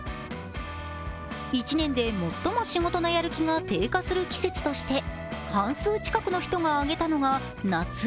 １年で最も仕事のやる気が低下する季節として半数近くの人が挙げたのが夏。